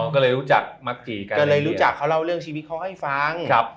ก็เลยรู้จักมาจีกันรู้จักเค้าเล่าเรื่องชีวิตเค้าให้ฟัง